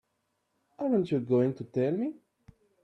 Aren't you going to tell me?